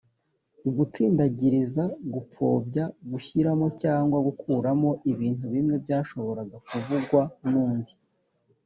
gutsindagiriza gupfobya gushyiramo cyangwa gukuramo ibintu bimwe byashoboraga kuvugwa n undi